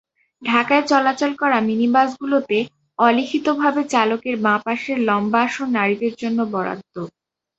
ঢাকায় চলাচল করা মিনিবাসগুলোতে অলিখিতভাবে চালকের বাঁ পাশের লম্বা আসন নারীদের জন্য বরাদ্দ।